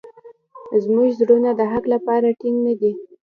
زموږ زړونه د حق لپاره ټینګ نه دي.